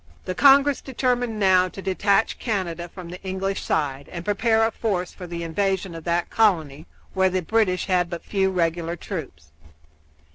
The Congress determined now to detach Canada from the English side and prepared a force for the invasion of that colony, where the British had but few regular troops.